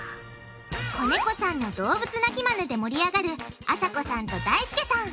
小猫さんの動物鳴きマネで盛り上がるあさこさんとだいすけさん。